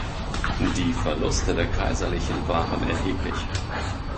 Die Verluste der Kaiserlichen waren erheblich.